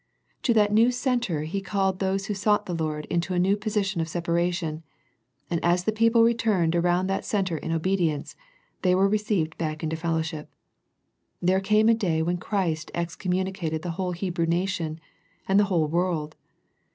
To that new centre he called those who sought the Lord into a new position of separation, and as the people returned around that centre in obedience, they were received back into fellowship. There came a day when Christ excommunicated the whole Hebrew nation, and the whole world.